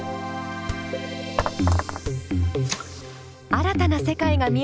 新たな世界が見えてくる。